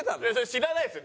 知らないですよ。